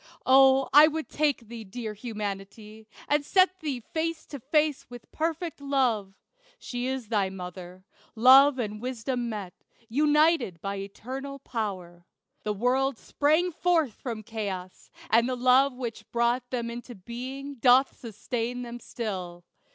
O, I would take thee, dear Humanity, And set thee face to face with perfect Love. She is thy mother. Love and Wisdom met United by Eternal Power. The worlds Sprang forth from chaos; and the love which brought Them into being doth sustain them still.